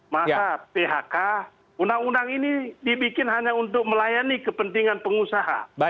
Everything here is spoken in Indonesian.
masa phk undang undang ini dibikin hanya untuk melayani kepentingan pengusaha